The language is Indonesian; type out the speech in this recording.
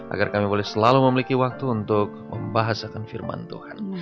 agar kami selalu memiliki waktu untuk membahas akan peristiwa peristiwa